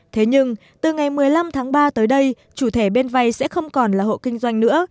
thế nhưng từ ngày một mươi năm tháng ba tới đây chủ thể bên vay sẽ không còn là hộ kinh doanh nữa